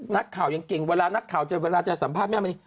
นักข่าวยังเก่งเวลานักข่าวเจอเวลาจะสัมภาษณ์แม่มณี